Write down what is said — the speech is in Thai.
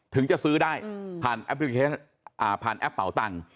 ถึงจะซื้อได้ผ่านแอปเป่าตัง